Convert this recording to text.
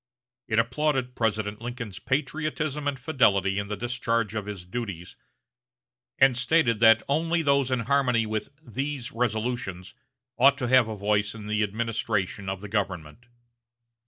It applauded President Lincoln's patriotism and fidelity in the discharge of his duties, and stated that only those in harmony with "these resolutions" ought to have a voice in the administration of the government.